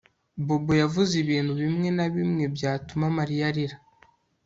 Bobo yavuze ibintu bimwe na bimwe byatumye Mariya arira